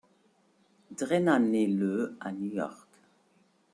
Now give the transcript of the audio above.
Drena nait le à New York.